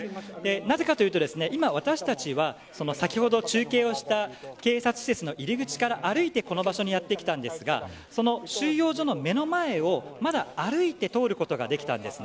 なぜかというと今私たちは先ほど中継をした警察施設の入り口から歩いて、この場所にやってきたんですがその収容所の目の前をまだ歩いて通ることができたんです。